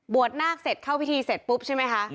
นาคเสร็จเข้าพิธีเสร็จปุ๊บใช่ไหมคะ